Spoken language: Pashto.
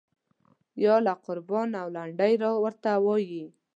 یاله قربان او لنډۍ ورته وایي.